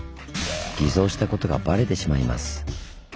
偽造したことがバレてしまいます。